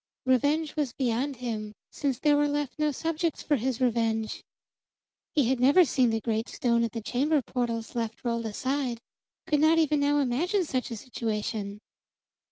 Revenge was beyond him, since there were left no subjects for his revenge. He had never seen the great stone at the chamber portals left rolled aside; could not even now imagine such a situation.